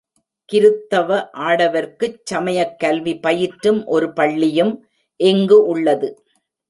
கிருத்தவ ஆடவர்க்குச் சமயக்கல்வி பயிற்றும் ஒரு பள்ளியும் இங்கு உள்ளது.